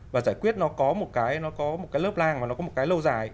và giải quyết nó có một cái lớp lang và nó có một cái lâu dài